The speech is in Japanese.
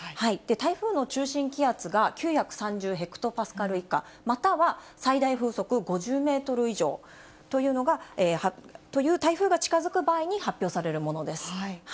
台風の中心気圧が９３０ヘクトパスカル以下、または最大風速５０メートル以上という台風が近づく場合に発表されるものです。